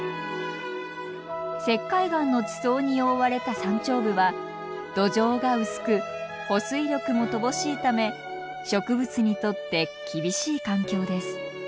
石灰岩の地層に覆われた山頂部は土壌が薄く保水力も乏しいため植物にとって厳しい環境です。